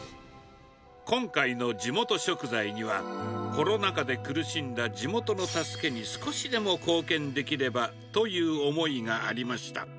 今回の地元食材には、コロナ禍で苦しんだ地元の助けに少しでも貢献できればという思いがありました。